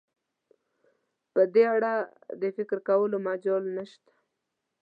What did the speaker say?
په دې اړه د فکر کولو مجال نشته.